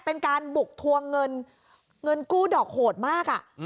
เป็นการบุกทวงเงินเงินกู้ดอกโหดมาก